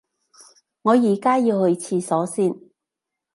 我而家要去廁所先